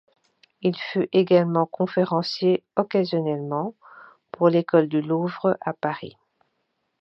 Il fut également conférencier, occasionnellement, pour l’École du Louvre à Paris.